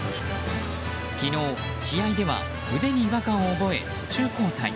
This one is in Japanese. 昨日、試合では腕に違和感を覚え途中交代。